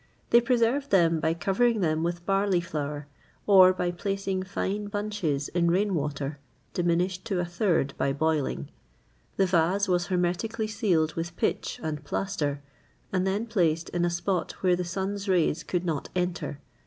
They preserved them by covering them with barley flour,[XXVIII 42] or by placing fine bunches in rain water, diminished to a third by boiling. The vase was hermetically sealed with pitch and plaster, and then placed in a spot where the sun's rays could not enter.